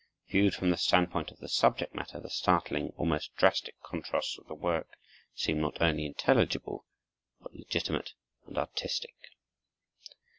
Viewed from the standpoint of the subject matter, the startling, almost drastic, contrasts of the work seem not only intelligible, but legitimate and artistic.